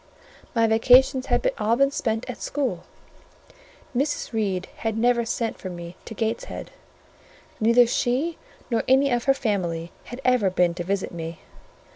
My vacations had all been spent at school: Mrs. Reed had never sent for me to Gateshead; neither she nor any of her family had ever been to visit me.